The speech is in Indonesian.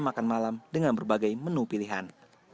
makan malam dengan berbagai menu pilihan